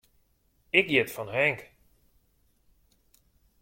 Ik hjit fan Henk.